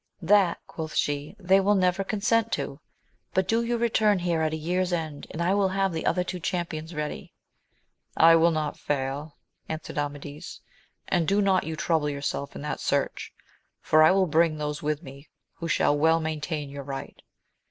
That, quoth she, they will never consent to ; but do you return here at a year's end, and I will have the other two champions ready. I will not fail, answered Amadis ; and do not you trouble yourself in that search, for I will bring those with me who shall well maintain your right.